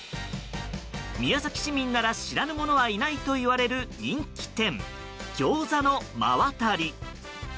宮崎市民なら知らぬ者はいないといわれる人気店、餃子の馬渡。